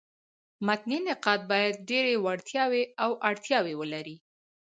متني نقاد باید ډېري وړتیاوي او اړتیاوي ولري.